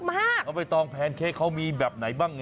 ใบตองแพนเค้กเขามีแบบไหนบ้าง